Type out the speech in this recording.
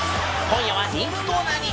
［今夜は人気コーナーに］